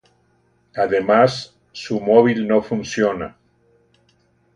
Además, su móvil no funciona.